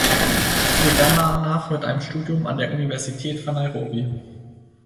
Sie begann danach mit einem Studium an der Universität von Nairobi.